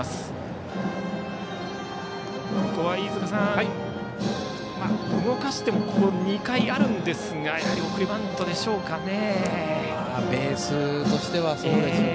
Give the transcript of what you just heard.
飯塚さん、動かしても２回あるんですがやはり送りバントでしょうかね。